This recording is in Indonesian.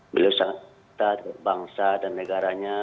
beliau sangat bangsa dan negaranya